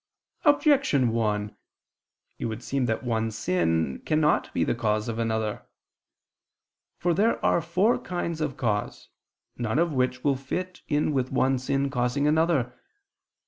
Objection 1: It would seem that one sin cannot be the cause of another. For there are four kinds of cause, none of which will fit in with one sin causing another.